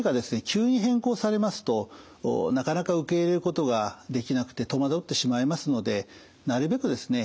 急に変更されますとなかなか受け入れることができなくて戸惑ってしまいますのでなるべくですね